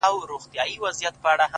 • نه په ژمي نه په دوبي کي وزګار وو ,